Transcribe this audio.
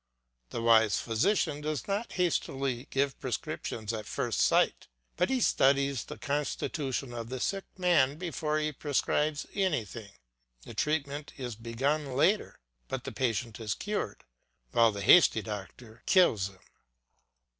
The wise physician does not hastily give prescriptions at first sight, but he studies the constitution of the sick man before he prescribes anything; the treatment is begun later, but the patient is cured, while the hasty doctor kills him.